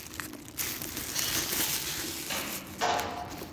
کولاى شې ،چې له کليوالو څخه پوښتنه وکړې ؟